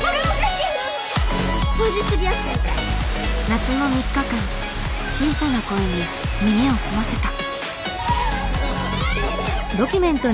夏の３日間小さな声に耳を澄ませた。